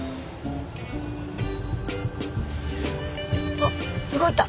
あっ動いた。